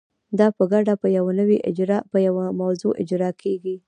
دا په ګډه په یوه موضوع اجرا کیږي.